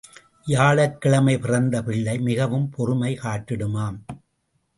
வியாழக் கிழமை பிறந்த பிள்ளை மிகவும் பொறுமை காட்டிடுமாம்.